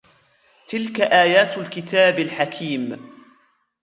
تِلْكَ آيَاتُ الْكِتَابِ الْحَكِيمِ